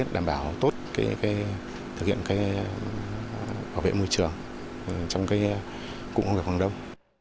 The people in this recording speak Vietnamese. đảm bảo tốt thực hiện bảo vệ môi trường trong cụm công nghiệp hoàng đông